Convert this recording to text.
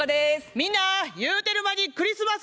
みんなゆうてる間にクリスマスやで。